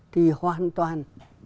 thì hoàn toàn